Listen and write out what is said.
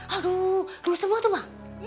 aduh dulu semua tuh mah